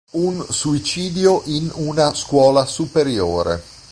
Un suicidio in una scuola superiore.